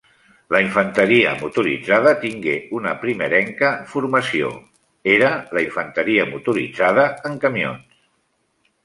La Infanteria motoritzada tingué una primerenca formació, era la infanteria motoritzada en camions.